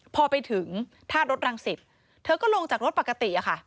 พอไปถึงท่ารถรังสิตเธอก็ลงจากรถปกติอะค่ะ